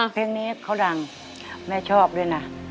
เพลงนี้เขาดังแม่ชอบด้วยนะ